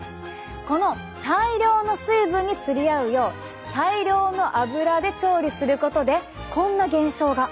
この大量の水分に釣り合うよう大量の油で調理することでこんな現象が。